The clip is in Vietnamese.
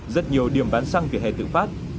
rất nhiều điểm bán xăng từ hẻ tự phát